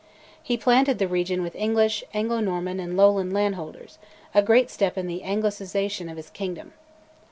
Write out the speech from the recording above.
He planted the region with English, Anglo Norman, and Lowland landholders, a great step in the anglicisation of his kingdom.